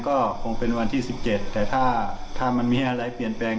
ก็คงเป็นวันที่๑๗แต่ถ้ามันมีอะไรเปลี่ยนแปลง